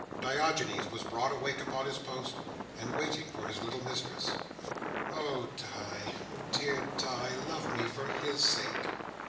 Diogenes was broad awake upon his post, and waiting for his little mistress. "Oh, Di! Oh, dear Di! Love me for his sake!"